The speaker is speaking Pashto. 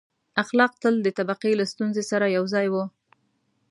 • اخلاق تل د طبقې له ستونزې سره یو ځای وو.